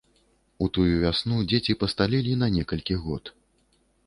У тую вясну дзеці пасталелі на некалькі год.